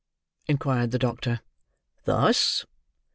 inquired the doctor. "Thus.